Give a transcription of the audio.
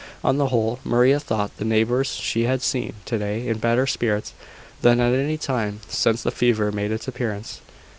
On the whole, Maria thought the neighbours she had seen to day in better spirits than at any time since the fever made its appearance.